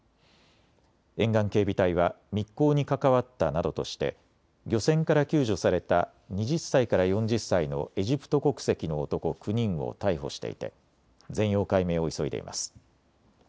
沿岸警備隊は密航に関わったなどとして漁船から救助された２０歳から４０歳のエジプト国籍の男９人を逮捕していて全容解明を急いでいます。